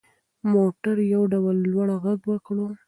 موټر یو ډول لوړ غږ وکړ.